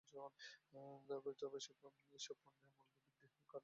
তবে এসব পণ্যের মূল্যবৃদ্ধির কারণে নিকট ভবিষ্যতে ব্যাপকভাবে মূল্যস্ফীতি হওয়ার আশঙ্কা নেই।